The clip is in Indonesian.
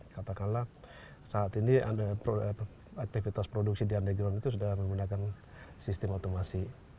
katakanlah saat ini aktivitas produksi di underground itu sudah menggunakan sistem otomasi